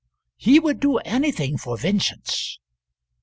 "He would do anything for vengeance."